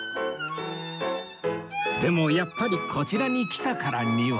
でもやっぱりこちらに来たからには